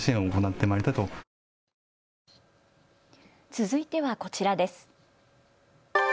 続いてはこちらです。